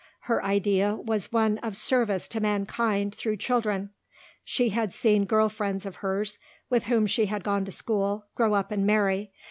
Her idea was one of service to mankind through children. She had seen girl friends of hers, with whom she had gone to school, grow up and marry.